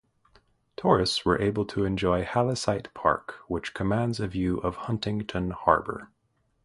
Tourists were able to enjoy Halesite Park, which commands a view of Huntington Harbor.